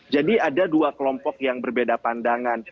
jadi ada dua kelompok yang berbeda pandangan